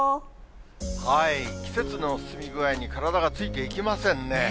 季節の進み具合に体がついていきませんね。